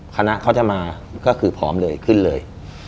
คณะเขาจะมาก็คือพร้อมเลยขึ้นเลย